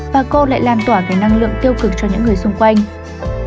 và cô lại lan tỏa về năng lượng tiêu cực cho những người xung quanh